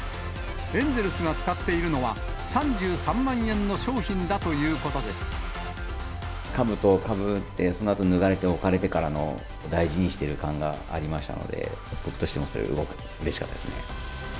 エンゼルスが使っているのは、かぶとをかぶって、そのあと脱がれて置かれてからの、大事にしてる感がありましたので、僕としてもそれ、うれしかったですね。